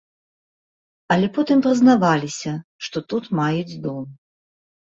Але потым прызнаваліся, што тут маюць дом.